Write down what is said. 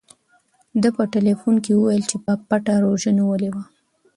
ده په ټیلیفون کې وویل چې په پټه روژه نیولې وه.